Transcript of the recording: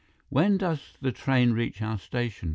"When does the train reach our station?"